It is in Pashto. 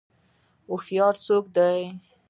هوشیار څوک دی؟